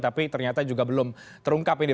tapi ternyata juga belum terungkap ini